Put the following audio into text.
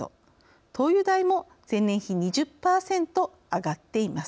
灯油代も前年比２０％上がっています。